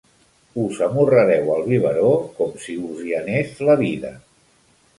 Us amorrareu al biberó com si us hi anés la vida.